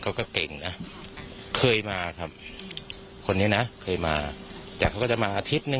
เขาก็เก่งนะเคยมาครับคนนี้นะเคยมาแต่เขาก็จะมาอาทิตย์หนึ่ง